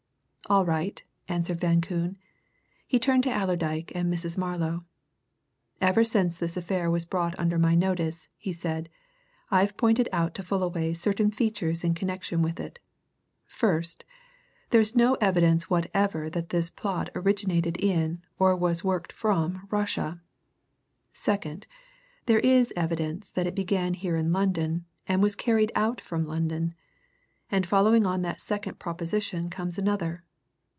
"All right," answered Van Koon. He turned to Allerdyke and Mrs. Marlow. "Ever since this affair was brought under my notice," he said, "I've pointed out to Fullaway certain features in connection with it. First there's no evidence whatever that this plot originated in or was worked from Russia. Second there is evidence that it began here in London and was carried out from London. And following on that second proposition comes another.